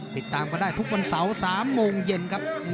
ติดตามก็ได้ทุกวันเสาร์๓โมงเย็นครับ